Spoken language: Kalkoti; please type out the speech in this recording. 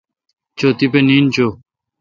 چو تیپہ نیند چو۔